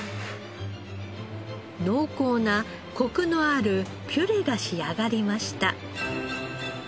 濃厚なコクのあるピュレが仕上がりました。